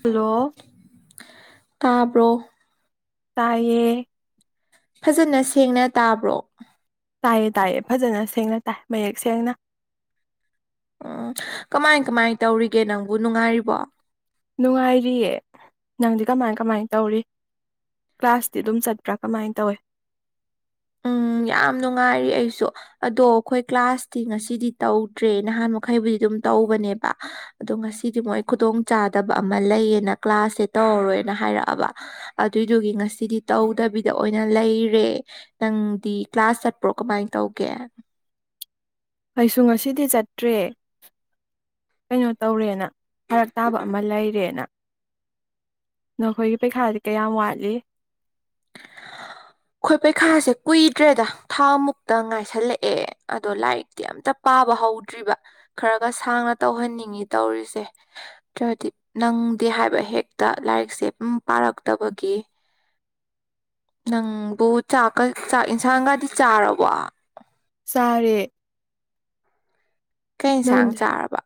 ꯇꯕꯔꯣ꯫ ꯍꯜꯂꯣ ꯇꯥꯕꯔꯣ ꯇꯥꯏꯌꯦ ꯐꯖꯅ ꯁꯦꯡꯅ ꯇꯥꯕ꯭ꯔꯣ ꯇꯥꯏꯌꯦ ꯇꯥꯏꯌꯦ ꯐꯖꯅ ꯁꯦꯡꯅ ꯇꯥꯏ ꯃꯌꯦꯛ ꯁꯦꯡꯅ ꯎꯝ ꯀꯃꯥꯏ ꯀꯃꯥꯏ ꯇꯧꯔꯤꯒꯦ ꯅꯪꯕꯨ ꯅꯨꯡꯉꯥꯏꯔꯤꯕꯣ ꯅꯨꯡꯉꯥꯏꯔꯤꯌꯦ ꯅꯪꯗꯤ ꯀꯃꯥꯏ ꯀꯃꯥꯏ ꯇꯧꯔꯤ ꯀ꯭ꯂꯥꯁꯇꯤ ꯑꯗꯨꯝ ꯆꯠꯄ꯭ꯔꯥ ꯀꯃꯥꯏ ꯇꯧꯏ ꯎꯝ ꯌꯥꯝ ꯅꯨꯡꯉꯥꯏꯔꯤ ꯑꯩꯁꯨ ꯑꯗꯣ ꯑꯩꯈꯣꯏ ꯀ꯭ꯂꯥꯁꯇꯤ ꯉꯁꯤꯗꯤ ꯇꯧꯗ꯭ꯔꯦ ꯅꯍꯥꯟ ꯃꯈꯩꯕꯨꯗꯤ ꯑꯗꯨꯝ ꯇꯧꯕꯅꯦꯕ ꯑꯗꯣ ꯉꯁꯤꯗꯤ ꯃꯣꯏ ꯈꯨꯗꯣꯡꯆꯥꯥꯗꯕ ꯑꯃ ꯂꯩꯌꯦꯅ ꯀ꯭ꯂꯥꯁꯁꯦ ꯇꯧꯔꯔꯣꯏꯅ ꯍꯥꯏꯔꯛꯑꯕ ꯑꯗꯨꯏꯗꯨꯒꯤ ꯉꯁꯤꯗꯤ ꯇꯧꯗꯕꯤꯗ ꯑꯣꯏꯅ ꯂꯩꯔꯦ ꯅꯪꯗꯤ ꯀ꯭ꯂꯥꯁ ꯆꯠꯄ꯭ꯔꯣ ꯀꯃꯥꯏ ꯇꯧꯒꯦ ꯑꯩꯁꯨ ꯉꯁꯤꯗꯤ ꯆꯠꯇ꯭ꯔꯦ ꯀꯩꯅꯣ ꯇꯧꯔꯦꯅ ꯐꯔꯛ ꯇꯥꯕ ꯑꯃ ꯂꯩꯔꯦꯅ ꯅꯈꯣꯏꯒꯤ ꯄꯩꯈꯥꯗꯤ ꯀꯌꯥꯝ ꯋꯥꯠꯂꯤ ꯑꯩꯈꯣꯏ ꯄꯩꯈꯥꯁꯦ ꯀꯨꯏꯗ꯭ꯔꯦꯗ ꯊꯥ ꯃꯨꯛꯇ ꯉꯥꯏꯁꯜꯂꯛꯑꯦ ꯑꯗꯣ ꯂꯥꯏꯔꯤꯛꯇꯤ ꯑꯝꯇ ꯄꯥꯕ ꯍꯧꯗ꯭ꯔꯤꯕ ꯈꯔꯒ ꯁꯥꯡꯅ ꯇꯧꯍꯟꯅꯤꯡꯉꯤ ꯇꯧꯔꯤꯁꯦ ꯅꯠꯇ꯭ꯔꯗꯤ ꯅꯪꯗꯦ ꯍꯥꯏꯕ ꯍꯦꯛꯇ ꯂꯥꯏꯔꯤꯛꯁꯦ ꯑꯗꯨꯝ ꯄꯥꯔꯛꯇꯕꯒꯤ ꯅꯪꯕꯨ ꯆꯥꯛꯀ ꯆꯥꯛ ꯌꯦꯟꯁꯥꯡꯒꯗꯤ ꯆꯥꯔꯕꯣ ꯆꯔꯦ ꯀꯩ ꯌꯦꯟꯁꯥꯡ ꯆꯥꯔꯕ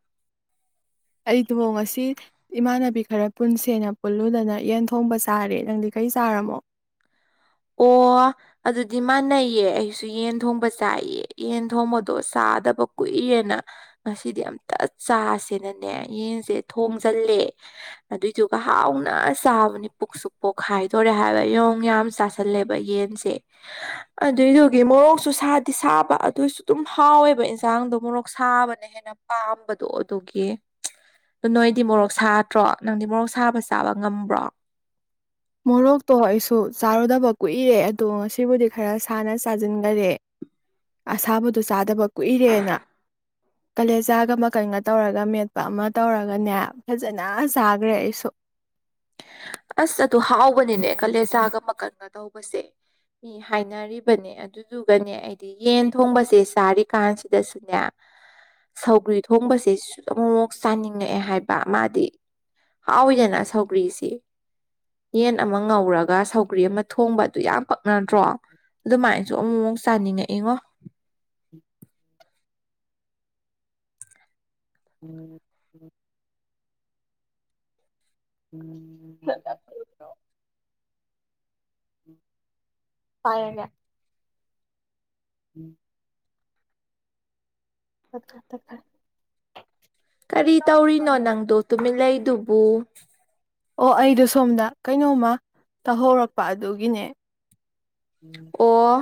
ꯑꯩꯗꯣ ꯉꯁꯤ ꯏꯃꯥꯟꯅꯕꯤ ꯈꯔ ꯄꯨꯟꯁꯦꯅ ꯄꯨꯜꯂꯨꯗꯅ ꯌꯦꯟ ꯊꯣꯡꯕ ꯆꯥꯔꯦ ꯅꯪꯗꯤ ꯀꯔꯤ ꯆꯥꯔꯝꯃꯣ ꯑꯣ ꯑꯗꯨꯗꯤ ꯃꯥꯟꯅꯩꯌꯦ ꯑꯩꯁꯨ ꯌꯦꯟ ꯊꯣꯡꯕ ꯆꯥꯏꯌꯦ ꯌꯦꯟ ꯊꯣꯡꯕꯗꯣ ꯆꯥꯗꯕ ꯀꯨꯏꯔꯦꯅ ꯉꯁꯤꯗꯤ ꯑꯝꯇ ꯆꯥꯁꯦꯅꯅꯦ ꯌꯦꯟꯁꯦ ꯊꯣꯡꯖꯜꯂꯦ ꯑꯗꯨꯏꯗꯨꯒ ꯍꯥꯎꯅ ꯆꯥꯕꯅꯤ ꯄꯨꯛꯁꯨ ꯄꯣꯛꯈꯥꯏꯗꯣꯔꯦ ꯍꯥꯏꯕ ꯌꯣꯡ ꯌꯥꯝ ꯆꯥ ꯆꯁꯜꯂꯦꯕ ꯌꯦꯟꯁꯦ ꯑꯗꯨꯏꯗꯨꯒꯤ ꯃꯣꯔꯣꯛꯁꯨ ꯁꯥꯗꯤ ꯁꯥꯕ ꯑꯗꯨꯑꯣꯏꯁꯨ ꯑꯗꯨꯝ ꯍꯥꯎꯋꯦꯕ ꯏꯟꯁꯥꯡꯗꯣ ꯃꯣꯔꯣꯛ ꯁꯥꯕꯅ ꯍꯦꯟꯅ ꯄꯥꯝꯕꯗꯣ ꯑꯗꯨꯒꯤ ꯅꯣꯏꯗꯤ ꯃꯣꯔꯣꯛ ꯁꯥꯗ꯭ꯔꯣ ꯅꯪꯗꯤ ꯃꯣꯔꯣꯛ ꯁꯥꯕ ꯆꯥꯕ ꯉꯝꯕ꯭ꯔꯣ ꯃꯣꯔꯣꯛꯇꯣ ꯑꯩꯁꯨ ꯆꯥꯔꯨꯗꯕ ꯀꯨꯏꯔꯦ ꯑꯗꯣ ꯉꯁꯤꯕꯨꯗꯤ ꯈꯔ ꯁꯥꯅ ꯆꯥꯁꯤꯟꯈꯔꯦ ꯑꯁꯥꯕꯨꯗ ꯆꯥꯗꯕ ꯀꯨꯏꯔꯦꯅ ꯀꯥꯂꯦꯖꯥꯒ ꯃꯀꯟꯒ ꯇꯧꯔꯒ ꯃꯦꯠꯄ ꯑꯃ ꯇꯧꯔꯒꯅꯦ ꯐꯖꯅ ꯆꯥꯈ꯭ꯔꯦ ꯑꯩꯁꯨ ꯑꯁ ꯑꯗꯨ ꯍꯥꯎꯕꯅꯤꯅꯦ ꯀꯥꯂꯦꯖꯥꯒ ꯃꯀꯟꯒ ꯇꯧꯕꯁꯦ ꯃꯤ ꯍꯥꯏꯅꯔꯤꯕꯅꯤ ꯑꯗꯨꯗꯨꯒꯅꯦ ꯑꯩꯗꯤ ꯌꯦꯟ ꯊꯣꯡꯕꯁꯦ ꯆꯥꯔꯤꯀꯥꯟꯁꯤꯗꯁꯨꯅꯦ ꯁꯧꯒ꯭ꯔꯤ ꯊꯣꯡꯕꯁꯦ ꯁꯨ ꯑꯃꯨꯛ ꯑꯃꯨꯛ ꯆꯥꯅꯤꯡꯉꯛꯑꯦ ꯍꯥꯏꯕ ꯃꯥꯗꯤ ꯍꯥꯎꯏꯗꯅ ꯁꯧꯒ꯭ꯔꯤꯁꯤ ꯌꯦꯟ ꯑꯃ ꯉꯧꯔꯒ ꯁꯧꯒ꯭ꯔꯤ ꯑꯃ ꯊꯣꯡꯕ ꯑꯗꯨ ꯌꯥꯝ ꯄꯛꯅꯗ꯭ꯔꯣ ꯑꯗꯨꯃꯥꯏꯅ ꯁꯨ ꯑꯃꯨꯛ ꯑꯃꯨꯛ ꯆꯥꯅꯤꯡꯉꯛꯏꯉꯣ ꯎꯝ ꯎꯝ [unintelligible] ꯎꯝ ꯄꯥꯏꯔꯒꯦ ꯎꯝ ꯇꯠꯈ꯭ꯔꯦ ꯇꯠꯈ꯭ꯔꯦ ꯀꯔꯤ ꯇꯧꯔꯤꯅꯣ ꯅꯪꯗꯣ ꯇꯨꯃꯤꯠꯂꯩꯗꯨꯕꯨ [unintelligible] ꯑꯣ ꯑꯩꯗꯣ ꯁꯣꯝꯗ ꯀꯩꯅꯣꯃ ꯇꯧꯍꯧꯔꯛꯄ ꯑꯗꯨꯒꯤꯅꯦ ꯑꯣ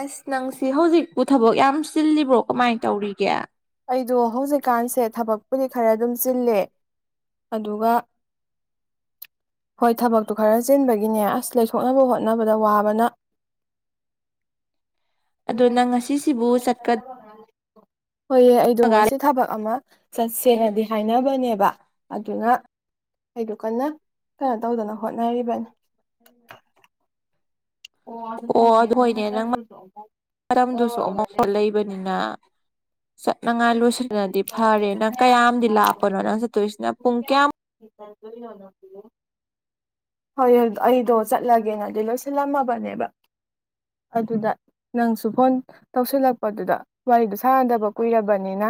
ꯑꯁ ꯅꯪꯁꯤ ꯍꯧꯖꯤꯛꯄꯨ ꯊꯕꯛ ꯌꯥꯝ ꯆꯤꯜꯂꯤꯕ꯭ꯔꯣ ꯀꯃꯥꯏꯅ ꯇꯧꯔꯤꯒꯦ ꯑꯩꯗꯣ ꯍꯧꯖꯤꯛꯀꯥꯟꯁꯦ ꯊꯕꯛꯄꯨꯗꯤ ꯈꯔ ꯑꯗꯨꯝ ꯆꯤꯂꯦ ꯑꯗꯨꯒ ꯍꯣꯏ ꯊꯕꯛꯇꯣ ꯈꯔ ꯆꯤꯟꯕꯒꯤꯅꯦ ꯑꯁ ꯂꯩꯊꯣꯛꯅꯕ ꯍꯣꯠꯅꯕꯗ ꯋꯥꯕꯅ ꯑꯗꯣ ꯅꯪ ꯉꯁꯤꯁꯤꯕꯨ ꯆꯠꯀꯗ꯭ꯔꯒ ꯍꯣꯏ ꯑꯩꯗꯣ ꯉꯁꯤ ꯊꯕꯛ ꯑꯃ ꯆꯠ ꯁꯦꯡꯅꯗꯤ ꯍꯥꯏꯅꯕꯅꯦꯕ ꯑꯗꯨꯅ ꯑꯩꯗꯨ ꯀꯟꯅ ꯀꯩꯅꯣ ꯇꯧꯗꯅ ꯍꯣꯠꯅꯔꯤꯕꯅꯤ [unintelligible] ꯑꯣ ꯑꯗꯨ ꯐꯒꯦ ꯅꯪ ꯃꯇꯝꯗꯨꯁꯨ ꯑꯃꯨꯛ ꯃꯇꯝꯗꯨꯁꯨ ꯇꯧꯔꯒ ꯂꯩ ꯁ ꯅꯪꯍꯥꯏ ꯂꯣꯏꯁꯤꯗꯅꯗꯤ ꯐꯔꯦ ꯅꯪ ꯀꯌꯥꯝꯗꯤ ꯃꯌꯥꯝꯁꯤꯅ ꯂꯥꯄꯅꯣ ꯅꯪ ꯆꯠꯇꯣꯏꯁꯤꯅ ꯄꯨꯡ ꯀꯌꯥꯝ ꯍꯣꯏ ꯑꯗꯨ ꯑꯩꯗꯣ ꯆꯠꯂꯒꯦꯅ ꯑꯗꯨ ꯂꯣꯏꯁꯤꯜꯂꯝꯃꯕꯅꯦꯕ ꯑꯗꯨꯗ ꯅꯪꯁꯨ ꯐꯣꯟ ꯇꯧꯁꯤꯜꯂꯛꯄꯗꯨꯗ ꯋꯥꯔꯤꯗꯣ ꯁꯥꯟꯅꯗꯕ ꯀꯨꯏꯔꯕꯅꯤꯅ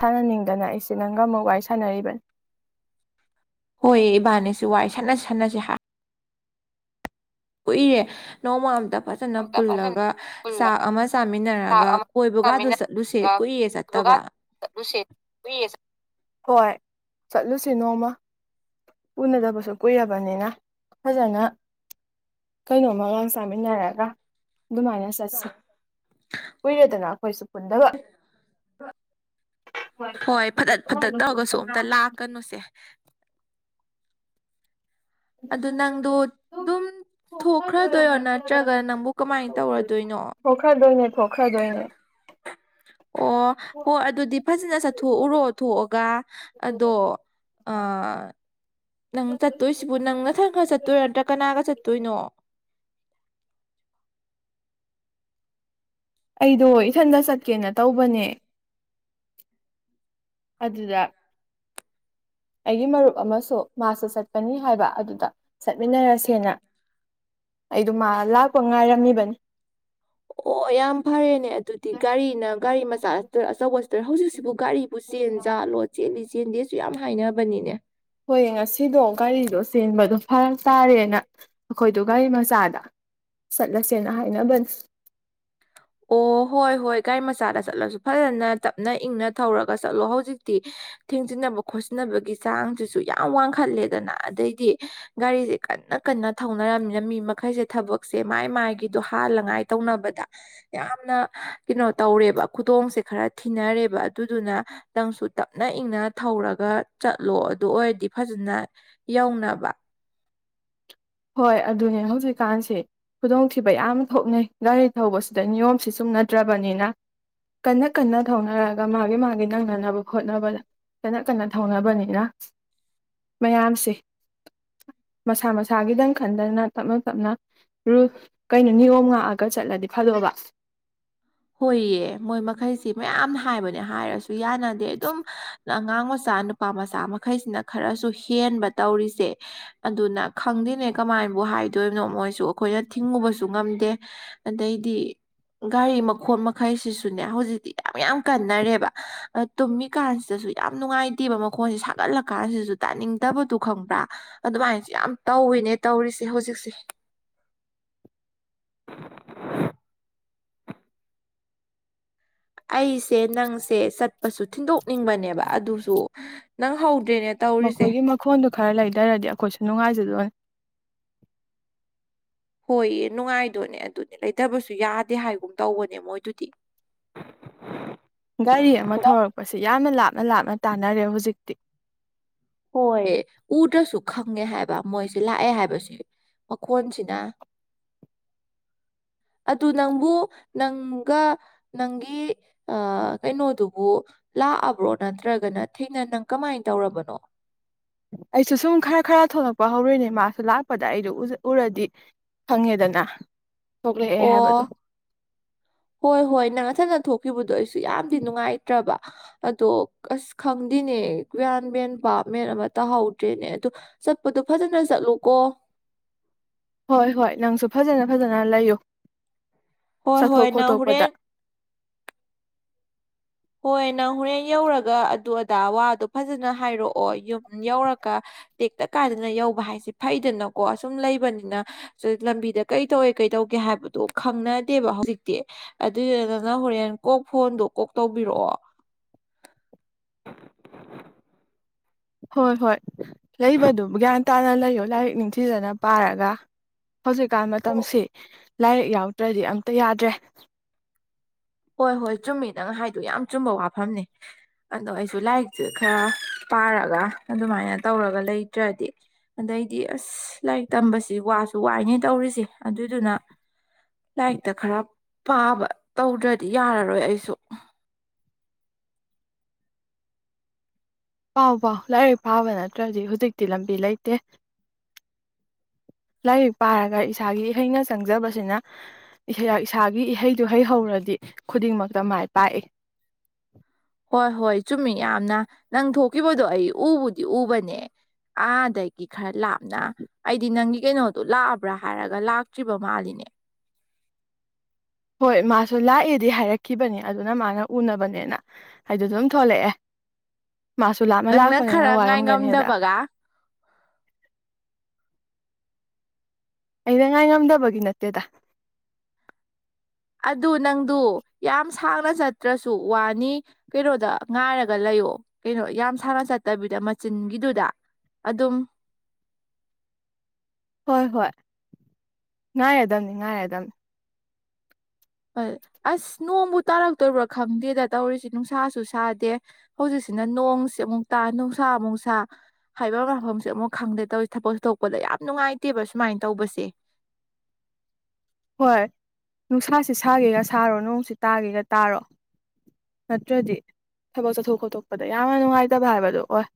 ꯁꯥꯟꯅꯅꯤꯡꯗꯅ ꯑꯩꯁꯤ ꯅꯪꯒꯝꯃ ꯋꯥꯔꯤ ꯁꯥꯟꯅꯔꯤꯕꯅꯤ ꯍꯣꯏ ꯏꯕꯥꯅꯤꯁꯨ ꯋꯥꯔꯤ ꯁꯠꯅ ꯁꯥꯟꯅꯁꯦ ꯍꯥꯏ ꯀꯨꯏꯔꯦ ꯅꯣꯡꯃ ꯑꯃꯇ ꯐꯖꯅ ꯑꯝꯇ ꯐꯖꯅ ꯄꯨꯜꯂꯒ ꯆꯥꯛ ꯄꯨꯜꯂꯒ ꯑꯃ ꯆꯥꯛ ꯆꯥꯃꯤꯟꯅꯔꯒ ꯑꯃ ꯀꯣꯏꯕꯒꯗꯨ ꯆꯠꯂꯨꯁꯦ ꯆꯥꯃꯤꯟꯅꯔꯒ ꯀꯨꯏꯌꯦ ꯌꯣꯒꯥ ꯆꯠꯇꯕ ꯆꯠꯂꯨꯁꯦ ꯀꯨꯏꯔꯦ ꯆꯠ ꯍꯣꯏ ꯆꯠꯂꯨꯁꯤ ꯅꯣꯡꯃ ꯎꯅꯗꯕꯁꯨ ꯀꯨꯏꯔꯕꯅꯤꯅ ꯐꯖꯅ ꯀꯩꯅꯣꯃꯒꯥ ꯆꯥꯃꯤꯟꯅꯔꯒ ꯑꯗꯨꯃꯥꯏꯅ ꯆꯠꯁꯤ ꯀꯨꯏꯔꯦꯗꯅ ꯑꯩꯈꯣꯏꯁꯨ ꯄꯨꯟꯗꯕ ꯍꯣꯏ ꯐꯗꯠ ꯐꯗꯠ ꯇꯧꯔꯒꯁꯨ ꯑꯝꯇ ꯂꯥꯛꯀꯅꯨꯁꯦ ꯑꯗꯨ ꯅꯪꯗꯣ ꯑꯗꯨꯝ ꯊꯣꯛꯈ꯭ꯔꯗꯣꯏꯔꯣ ꯅꯠꯇ꯭ꯔꯒ ꯅꯪꯕꯨ ꯀꯃꯥꯏꯅ ꯇꯧꯔꯗꯣꯏꯅꯣ ꯄꯣꯛꯈꯔꯥꯗꯣꯏꯔ ꯑꯣ ꯍꯣꯏ ꯑꯗꯨꯗꯤ ꯐꯖꯅ ꯆꯠꯊꯣꯛꯎꯔꯣ ꯊꯣꯛꯑꯒ ꯑꯗꯣ ꯅꯪ ꯆꯠꯇꯣꯏꯁꯤꯕꯨ ꯅꯪ ꯅꯊꯪ ꯈꯔ ꯆꯠꯇꯣꯏꯔ ꯅꯠꯇ꯭ꯔ ꯀꯅꯥꯒ ꯆꯠꯇꯣꯏꯅꯣ ꯑꯩꯗꯣ ꯏꯊꯟꯇ ꯆꯠꯀꯦꯅ ꯇꯧꯕꯅꯦ ꯑꯗꯨꯗ ꯑꯩꯒꯤ ꯃꯔꯨꯞ ꯑꯃꯁꯨ ꯃꯥꯁꯨ ꯆꯠꯄꯅꯤ ꯍꯥꯏꯕ ꯑꯗꯨꯗ ꯆꯠꯃꯤꯟꯅꯔꯁꯦꯅ ꯑꯩꯗꯣ ꯃꯥ ꯂꯥꯛꯄ ꯉꯥꯏꯔꯝꯃꯤꯕꯅꯤ ꯑꯣ ꯌꯥꯝ ꯐꯔꯦꯅꯦ ꯑꯗꯨꯗꯤ ꯒꯥꯔꯤꯅ ꯒꯥꯔꯤ ꯃꯆꯥ ꯑꯆꯧꯕ ꯍꯧꯖꯤꯛꯁꯤꯕꯨ ꯒꯥꯔꯤꯕꯨ ꯆꯦꯟꯖꯥꯠꯂꯣ ꯆꯦꯜꯂꯤ ꯆꯦꯟꯗꯦꯁꯨ ꯌꯥꯝ ꯍꯥꯏꯅꯕꯅꯤꯅꯦ ꯍꯣꯏ ꯉꯁꯤꯗꯣ ꯒꯥꯔꯤꯗꯣ ꯆꯦꯟꯕꯗꯣ ꯐꯔꯛ ꯇꯥꯔꯦꯅ ꯑꯩꯈꯣꯏꯗꯣ ꯒꯥꯔꯤ ꯃꯆꯥꯗ ꯆꯠꯂꯁꯦꯅ ꯍꯥꯏꯅꯕꯅꯤ ꯑꯣ ꯍꯣꯏ ꯍꯣꯏ ꯒꯥꯔꯤ ꯃꯆꯥꯗ ꯆꯠꯂꯁꯨ ꯐꯖꯅ ꯇꯞꯅ ꯏꯪꯅ ꯊꯧꯔꯒ ꯆꯠꯂꯣ ꯍꯧꯖꯤꯛꯇꯤ ꯊꯦꯡꯖꯤꯟꯅꯕ ꯈꯣꯠꯆꯤꯟꯅꯕꯒꯤ ꯆꯥꯡꯁꯤꯁꯨ ꯌꯥꯝ ꯋꯥꯡꯈꯠꯂꯦꯗꯅ ꯑꯗꯩꯗꯤ ꯒꯥꯔꯤꯁꯦ ꯀꯟꯅ ꯀꯟꯅ ꯊꯧꯅꯔꯝꯃꯤꯅ ꯃꯤ ꯃꯈꯩꯁꯦ ꯊꯕꯛꯁꯦ ꯃꯥꯏ ꯃꯥꯏꯒꯤꯗꯣ ꯍꯥꯜꯂꯉꯥꯏ ꯇꯧꯅꯕꯗ ꯌꯥꯝꯅ ꯀꯩꯅꯣ ꯇꯧꯔꯦꯕ ꯈꯨꯗꯣꯡꯁꯦ ꯈꯔ ꯊꯤꯅꯔꯦꯕ ꯑꯗꯨꯗꯨꯅ ꯅꯪꯁꯨ ꯇꯞꯅ ꯏꯪꯅ ꯊꯧꯔꯒ ꯆꯠꯂꯣ ꯑꯗꯨ ꯑꯣꯏꯔꯗꯤ ꯐꯖꯅ ꯌꯧꯅꯕ ꯍꯣꯏ ꯑꯗꯨꯅꯦ ꯍꯧꯖꯤꯛꯀꯥꯟꯁꯤ ꯈꯨꯗꯣꯡꯊꯤꯕ ꯌꯥꯝ ꯊꯣꯛꯅꯩ ꯒꯥꯔꯤ ꯊꯧꯕꯁꯤꯗ ꯅꯤꯌꯣꯝꯁꯤ ꯆꯨꯝꯅꯗ꯭ꯔꯕꯅꯤꯅ ꯀꯟꯅ ꯀꯟꯅ ꯊꯧꯅꯔꯒ ꯃꯥꯒꯤ ꯃꯥꯒꯤ ꯅꯪꯅꯅꯕ ꯍꯣꯠꯅꯕꯗ ꯀꯟꯅ ꯀꯟꯅ ꯊꯧꯅꯕꯅꯤꯅ ꯃꯌꯥꯝꯁꯦ ꯃꯁꯥ ꯃꯁꯥ ꯏꯁꯁꯥꯒꯤꯗꯪ ꯈꯟꯗꯅ ꯇꯞꯅ ꯇꯞꯅ ꯔꯨ ꯀꯩꯅꯣ ꯅꯤꯌꯣꯝ ꯉꯥꯛꯑꯒ ꯆꯠꯂꯗꯤ ꯐꯗꯣꯕ ꯍꯣꯏꯌꯦ ꯃꯣꯏ ꯃꯈꯩꯁꯤ ꯃꯌꯥꯝꯅ ꯍꯥꯏꯕꯅꯦ ꯍꯥꯏꯔꯁꯨ ꯌꯥꯅꯗꯦ ꯑꯗꯨꯝ ꯑꯉꯥꯡ ꯃꯆꯥ ꯅꯨꯄꯥ ꯃꯆꯥ ꯃꯈꯩꯁꯤꯅ ꯈꯔꯁꯨ ꯍꯦꯟꯕ ꯇꯧꯔꯤꯁꯦ ꯑꯗꯨꯅ ꯈꯪꯗꯦꯅꯦ ꯀꯃꯥꯏꯅꯕꯨ ꯍꯥꯏꯗꯣꯏꯕꯅꯣ ꯃꯣꯏꯁꯨ ꯑꯩꯈꯣꯏꯅ ꯊꯤꯡꯉꯨꯕꯁꯨ ꯉꯝꯗꯦ ꯑꯗꯩꯗꯤ ꯒꯥꯔꯤ ꯃꯥ ꯃꯈꯣ ꯃꯈꯩꯁꯤꯁꯨꯅꯦ ꯍꯧꯖꯤꯛꯇꯤ ꯌꯥꯝ ꯌꯥꯝ ꯀꯟꯅꯔꯦꯕ ꯇꯨꯝꯃꯤꯀꯥꯟꯁꯤꯗꯁꯨ ꯌꯥꯝ ꯅꯨꯡꯉꯥꯏꯇꯦꯕ ꯃꯈꯣꯟꯁꯦ ꯁꯥꯒꯠꯂꯀꯥꯟꯁꯤꯗꯁꯨ ꯇꯥꯅꯤꯡꯗꯕꯗꯨ ꯈꯪꯕ꯭ꯔꯥ ꯑꯗꯨꯃꯥꯏꯅꯁꯨ ꯌꯥꯝ ꯇꯧꯋꯤꯅꯦ ꯇꯧꯔꯤꯁꯦ ꯍꯧꯖꯤꯛꯁꯦ ꯑꯩꯁꯦ ꯅꯪꯁꯦ ꯆꯠꯄꯁꯨ ꯊꯤꯟꯗꯣꯛꯅꯤꯡꯕꯅꯦꯕ ꯑꯗꯨꯁꯨ ꯅꯪ ꯍꯧ ꯗ꯭ꯔꯦꯅꯦ ꯇꯧꯔꯤꯁꯦ ꯃꯈꯣꯏꯒꯤ ꯃꯈꯣꯟꯗꯣ ꯈꯔ ꯂꯩꯗꯔꯥꯗꯤ ꯑꯩꯈꯣꯏꯁꯨ ꯅꯨꯡꯉꯥꯏꯖꯗꯣꯅꯤ ꯍꯣꯏꯌꯦ ꯅꯨꯡꯉꯥꯏꯗꯣꯏꯅꯦ ꯑꯗꯨꯅꯦ ꯂꯩꯇꯕꯁꯨ ꯌꯥꯗꯦ ꯍꯥꯏꯒꯨꯝ ꯇꯧꯕꯅꯦ ꯃꯣꯏꯗꯨꯗꯤ ꯒꯥꯔꯤ ꯑꯃ ꯊꯧꯔꯛꯄꯁꯤ ꯌꯥꯝꯅ ꯂꯥꯞꯅ ꯂꯥꯞꯅ ꯇꯥꯟꯅꯔꯦ ꯍꯧꯖꯤꯛꯇꯤ ꯍꯣꯏ ꯎꯗ꯭ꯔꯁꯨ ꯈꯪꯉꯦ ꯍꯥꯏꯕ ꯃꯣꯏꯁꯦ ꯂꯥꯛꯑꯦ ꯍꯥꯏꯕꯁꯦ ꯃꯈꯣꯟꯁꯤꯅ ꯑꯗꯨ ꯅꯪꯕꯨ ꯅꯪꯒ ꯅꯪꯒꯤ ꯀꯩꯅꯣꯗꯨꯕꯨ ꯂꯥꯛꯑꯕ꯭ꯔꯣ ꯅꯠꯇ꯭ꯔꯒꯅ ꯊꯦꯡꯅ ꯅꯪ ꯀꯃꯥꯏꯅ ꯇꯧꯔꯕꯅꯣ ꯑꯩꯁꯨ ꯁꯨꯝ ꯈꯔ ꯈꯔ ꯊꯣꯛꯂꯛꯄ ꯍꯧꯔꯣꯏꯅꯦ ꯃꯥꯁꯨ ꯂꯥꯛꯄꯗ ꯑꯩꯗ ꯎꯖꯥ ꯎꯔꯗꯤ ꯈꯪꯉꯦꯗꯅ ꯊꯣꯛꯂꯛꯑꯦ ꯍꯥꯏꯕꯗꯣ ꯑꯣ ꯍꯣꯏ ꯍꯣꯏ ꯅꯪ ꯅꯊꯅ ꯊꯣꯛ ꯊꯣꯛꯈꯤꯕꯗꯣ ꯑꯩꯁꯨ ꯌꯥꯝꯗꯤ ꯅꯨꯡꯉꯥꯏꯇ꯭ꯔꯕ ꯑꯗꯣ ꯑꯁ ꯈꯪꯗꯦꯅꯦ ꯒꯌꯥꯟ ꯃꯦꯟ ꯚꯥꯞ ꯃꯦꯟ ꯑꯃ ꯇꯥꯍꯧꯗ꯭ꯔꯦꯅꯦ ꯑꯗꯨ ꯆꯠꯄꯗꯣ ꯐꯖꯅ ꯆꯠꯂꯨꯀꯣ ꯍꯣꯏ ꯍꯣꯏ ꯅꯪꯁꯨ ꯐꯖꯅ ꯐꯖꯅ ꯂꯩꯌꯨ ꯍꯣꯏ ꯆꯠꯊꯣꯛ ꯍꯣꯏ ꯅꯥ ꯈꯣꯠꯇꯣꯛꯄꯗ ꯍꯨꯔꯦꯟ ꯍꯣꯏ ꯅꯪ ꯍꯣꯔꯦꯟ ꯌꯧꯔꯒ ꯑꯗꯨ ꯑꯗꯥ ꯋꯥꯗꯣ ꯐꯖꯅ ꯍꯥꯏꯔꯛꯑꯣ ꯌꯨꯝ ꯌꯧꯔꯒ ꯇꯦꯛꯇ ꯀꯥꯗꯅ ꯌꯧꯕ ꯍꯥꯏꯁꯦ ꯐꯩꯗꯅꯀꯣ ꯑꯁꯨꯝ ꯂꯩꯕꯅꯤꯅ ꯂꯝꯕꯤꯗ ꯀꯩ ꯇꯧꯋꯦ ꯀꯩ ꯇꯧꯒꯦ ꯍꯥꯏꯕꯗꯣ ꯈꯪꯅꯗꯦꯕ ꯍꯧꯖꯤꯛꯇꯤ ꯑꯗꯨꯗꯨ ꯅ ꯅꯪ ꯍꯣꯔꯦꯟ ꯀꯣꯛ ꯐꯣꯟꯗꯣ ꯀꯣꯛ ꯇꯧꯕꯤꯔꯛꯑꯣ ꯍꯣꯏ ꯍꯣꯏ ꯂꯩꯕꯗꯨ ꯒ꯭ꯌꯥꯟ ꯇꯥꯅ ꯂꯩꯌꯣ ꯂꯥꯏꯔꯤꯛ ꯅꯤꯡꯊꯤꯖꯅ ꯄꯥꯔꯒ ꯍꯧꯖꯤꯛꯀꯥꯟ ꯃꯇꯝꯁꯤ ꯂꯥꯏꯔꯤꯛ ꯌꯥꯎꯗ꯭ꯔꯗꯤ ꯑꯝꯇ ꯌꯥꯗ꯭ꯔꯦ ꯍꯣꯏ ꯍꯣꯏ ꯆꯨꯝꯃꯤꯗꯪ ꯍꯥꯏꯗꯣ ꯌꯥꯝ ꯆꯨꯝꯕ ꯋꯥꯐꯝꯅꯦ ꯑꯗꯣ ꯑꯩꯁꯨ ꯂꯥꯏꯔꯤꯛꯇꯁꯦ ꯈꯔ ꯄꯥꯔꯒ ꯑꯗꯨꯃꯥꯏꯅ ꯇꯧꯔꯒ ꯂꯩꯇ꯭ꯔꯗꯤ ꯑꯗꯩꯗꯤ ꯑꯁ ꯂꯥꯏꯔꯤꯛ ꯇꯝꯕꯁꯤ ꯋꯥꯁꯨ ꯋꯥꯏꯅꯦ ꯇꯧꯔꯤꯁꯦ ꯑꯗꯨꯏꯗꯨꯅ ꯂꯥꯏꯔꯤꯛꯇ ꯈꯔ ꯄꯥꯕ ꯇꯧꯗ꯭ꯔ ꯗꯤ ꯌꯥꯔꯔꯣꯏ ꯑꯩꯁꯨ ꯄꯥꯎ ꯄꯥꯎ ꯂꯥꯏꯔꯤꯛ ꯄꯥꯕ ꯅꯠꯇ꯭ꯔꯗꯤ ꯍꯧꯖꯤꯛꯇꯤ ꯂꯝꯕꯤ ꯂꯩꯇꯦ ꯂꯥꯏꯔꯤꯛ ꯄꯥꯔꯒ ꯏꯁꯥꯒꯤ ꯏꯍꯩꯅ ꯆꯪꯖꯕꯁꯤꯅ ꯏꯁꯥꯒꯤ ꯏꯍꯩꯗꯨ ꯍꯩ ꯍꯧꯔꯗꯤ ꯈꯨꯗꯤꯡꯃꯛꯇ ꯃꯥꯏ ꯄꯥꯛꯏ ꯍꯣꯏ ꯍꯣꯏ ꯆꯨꯝꯃꯤ ꯌꯥꯝꯅ ꯅꯪ ꯊꯣꯛꯈꯤꯕꯗꯣ ꯑꯩ ꯎꯕꯨꯗꯤ ꯎꯕꯅꯦ ꯑꯥꯗꯒꯤ ꯈꯔ ꯂꯥꯞꯅ ꯑꯩꯗꯤ ꯅꯪꯒꯤ ꯀꯩꯅꯣꯗꯣ ꯂꯥꯛꯑꯕ꯭ꯔꯥ ꯍꯥꯏꯔꯒ ꯂꯥꯛꯇ꯭ꯔꯤꯕ ꯃꯥꯜꯂꯤꯅꯦ ꯍꯣꯏ ꯃꯥꯁꯨ ꯂꯥꯛꯑꯦꯗꯤ ꯍꯥꯏꯔꯛꯈꯤꯕꯅꯤ ꯑꯗꯨꯅ ꯃꯥꯅ ꯎꯅꯕꯅꯦꯅ ꯍꯥꯏꯗ ꯑꯗꯨꯝ ꯊꯣꯛꯂꯛꯑꯦ ꯃꯥꯁꯨ ꯂꯥꯞꯅ ꯅꯪꯅ ꯂꯥꯛꯄꯅꯤꯅ ꯈꯔ ꯋꯥꯔꯝꯒꯅꯤꯗ ꯉꯥꯏꯉꯝꯗꯕꯒ ꯑꯩꯅ ꯉꯥꯏ ꯉꯝꯗꯕꯒꯤ ꯅꯠꯇꯦꯗ ꯑꯗꯨ ꯅꯪꯗꯨ ꯌꯥꯝ ꯁꯥꯡꯅ ꯆꯠꯇ꯭ꯔꯁꯨ ꯋꯥꯅꯤ ꯀꯩꯅꯣꯗ ꯉꯥꯏꯔꯒ ꯂꯩꯌꯣ ꯀꯩꯅꯣ ꯌꯥꯝ ꯁꯥꯡꯅ ꯆꯠꯇꯕꯤꯗ ꯃꯆꯤꯟꯒꯤꯗꯨꯗ ꯑꯗꯨꯝ ꯍꯣꯏ ꯍꯣꯏ ꯉꯥꯏꯔꯗꯕꯅꯤ ꯉꯥꯏꯔꯗꯝꯅꯤ ꯑꯁ ꯅꯣꯡꯕꯨ ꯇꯥꯔꯛꯇꯣꯏꯔꯤꯕ꯭ꯔꯥ ꯈꯪꯗꯦꯗ ꯇꯧꯔꯤꯁꯤ ꯅꯨꯡꯁꯥꯁꯨ ꯁꯥꯗꯦ ꯍꯧꯖꯤꯛꯁꯤꯅ ꯅꯣꯡꯁꯤ ꯑꯃꯨꯛ ꯇꯥ ꯅꯨꯡꯁꯥ ꯑꯃꯨꯛꯁꯥ ꯍꯥꯏꯕ ꯃꯐꯝꯁꯦ ꯑꯃꯨꯛ ꯈꯪꯗꯦ ꯇꯧꯔꯤꯁꯤ ꯊꯕꯛ ꯁꯨꯊꯣꯛꯄꯗ ꯌꯥꯝ ꯅꯨꯡꯉꯥꯏꯇꯦꯕ ꯁꯨꯃꯥꯏꯅ ꯇꯧꯕꯁꯦ ꯍꯣꯏ ꯅꯨꯡꯁꯥꯥꯁ ꯁꯥꯒꯦꯒ ꯁꯥꯔꯣ ꯅꯣꯡꯁꯤ ꯇꯥꯒꯦꯒ ꯇꯥꯔꯣ ꯅꯠꯇ꯭ꯔꯗꯤ ꯊꯕꯛ ꯆꯠꯊꯣꯛ ꯈꯣꯇꯣꯛꯄꯗ ꯌꯥꯝꯅ ꯅꯨꯡꯉꯥꯏꯇꯕ ꯍꯥꯏꯕꯗꯣ ꯑꯣꯏ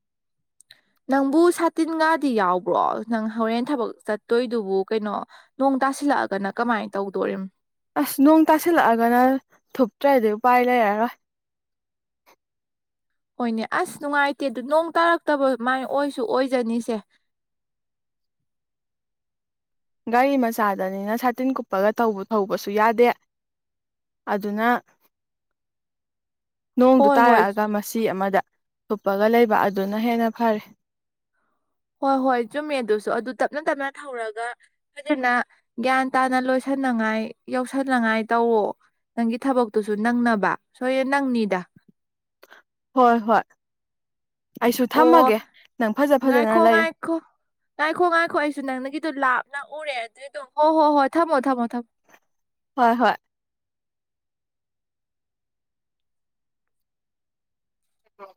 ꯅꯪꯕꯨ ꯁꯥꯇꯤꯟꯒꯥꯗꯤ ꯌꯥꯎꯕ꯭ꯔꯣ ꯅꯪ ꯍꯣꯔꯦꯟ ꯊꯕꯛ ꯆꯠꯇꯣꯏꯗꯨꯕꯨ ꯀꯩꯅꯣ ꯅꯣꯡ ꯇꯥꯁꯤꯜꯂꯛꯑꯒꯅ ꯀꯃꯥꯏꯅ ꯇꯧꯗꯣꯔꯤꯝ ꯑꯁ ꯅꯣꯡ ꯇꯥꯁꯤꯜꯂꯛꯑꯒꯅ ꯊꯨꯞꯇ꯭ꯔꯗꯤ ꯎꯄꯥꯏ ꯂꯩꯔꯔꯣꯏ ꯍꯣꯏꯅꯦ ꯑꯁ ꯅꯨꯡꯉꯥꯏꯇꯦ ꯑꯗꯨ ꯅꯣꯡ ꯇꯥꯔꯛꯇꯕ ꯃꯥꯏ ꯑꯣꯏꯁꯨ ꯑꯣꯏꯖꯅꯤꯁꯦ ꯒꯥꯔꯤ ꯃꯆꯥꯗꯅꯤꯅ ꯁꯥꯇꯤꯟ ꯀꯨꯞꯄꯒ ꯊꯧꯕꯁꯨ ꯌꯥꯗꯦ ꯑꯗꯨꯅ ꯅꯣꯡꯗꯨ ꯍꯣꯏ ꯍꯣꯏ ꯇꯥꯔꯛꯑꯒ ꯃꯁꯤ ꯑꯃꯗ ꯊꯨꯞꯄꯒ ꯂꯩꯕ ꯑꯗꯨꯅ ꯍꯦꯟꯅ ꯐꯔꯦ ꯍꯣꯏ ꯍꯣꯏ ꯆꯨꯝꯃꯦ ꯑꯗꯨꯁꯨ ꯑꯗꯨ ꯇꯞꯅ ꯇꯞꯅ ꯊꯧꯔꯒ ꯐꯖꯅ ꯒ꯭ꯌꯥꯟ ꯇꯥꯅ ꯂꯣꯏꯁꯟꯅꯉꯥꯏ ꯌꯥꯧꯁꯟꯅꯉꯥꯏ ꯇꯧꯑꯣ ꯅꯪꯒꯤ ꯊꯕꯛꯇꯨꯁꯨ ꯅꯪꯅꯕ ꯁꯣꯏ ꯅꯪꯅꯤꯗ ꯍꯣꯏ ꯍꯣꯏ ꯑꯩꯁꯨ ꯑꯣ ꯊꯝꯃꯒꯦ ꯅꯪ ꯐꯖ ꯐꯖꯅ ꯉꯥꯏꯈꯣ ꯂꯩꯌꯨ ꯉꯥꯏꯈꯣ ꯉꯥꯏꯈꯣ ꯉꯥꯏꯈꯣ ꯑꯩꯁꯨ ꯅꯪꯅꯒꯤꯗꯣ ꯂꯥꯞ ꯎꯔꯦ ꯑꯗꯨꯗꯣ ꯍꯣ ꯍꯣ ꯍꯣꯏ ꯊꯝꯃꯣ ꯊꯝꯃꯣ ꯊꯝꯃꯣ ꯍꯣꯏ ꯍꯣꯏ ꯑꯣ